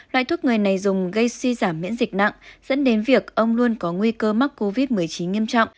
loại thuốc người này dùng gây suy giảm miễn dịch nặng dẫn đến việc ông luôn có nguy cơ mắc covid một mươi chín nghiêm trọng